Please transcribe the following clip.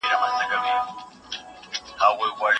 سبا به په کالج کي یو نندارتون وي.